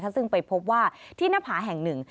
ซึ่งไปพบว่าที่หน้าผาแห่งหนึ่ง